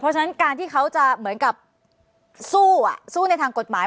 เพราะฉะนั้นการที่เขาจะเหมือนกับสู้สู้ในทางกฎหมาย